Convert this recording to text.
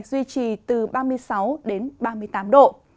duy trì từ ba mươi sáu đến ba mươi tám độ